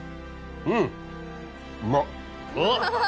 うん。おっ！